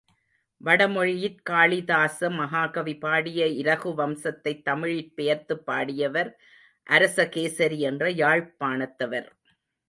வடமொழியிற் காளிதாச மகாகவி பாடிய இரகுவம்சத்தைத் தமிழிற் பெயர்த்துப் பாடியவர் அரசகேசரி என்ற யாழ்ப்பாணத்தவர்.